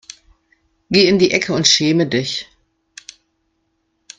Geh in die Ecke und schäme dich.